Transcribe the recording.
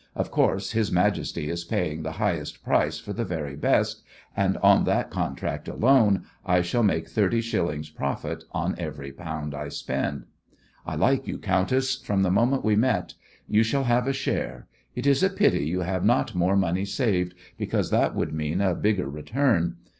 Of course, His Majesty is paying the highest price for the very best, and on that contract alone I shall make thirty shillings profit on every pound I spend. I liked you countess, from the moment we met. You shall have a share. It is a pity you have not more money saved, because that would mean a bigger return.